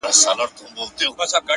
د باد له راتګ مخکې هوا بدلېږي,